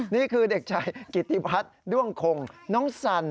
นี่คือเด็กชายกิติพัฒน์ด้วงคงน้องสัน